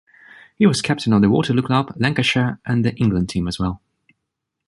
He was captain of the Waterloo club, Lancashire and the England team as well.